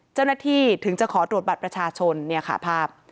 เจ้าหน้าที่ถึงจะขอตรวจบัตรประชาชนเนี่ยค่ะภาพ